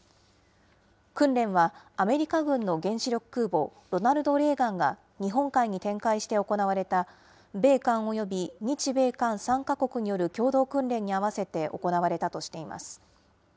訓練は、アメリカ軍の原子力空母ロナルド・レーガンが日本海に展開して行われた米韓および日米韓３か国による共同訓練に合わせて行われたとしています。